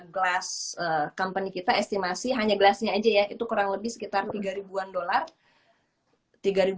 glass company kita estimasi hanya gelasnya aja ya itu kurang lebih sekitar tiga ribu an dollar